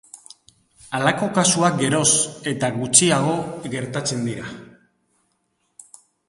Halako kasuak geroz eta gutxiago gertatzen dira.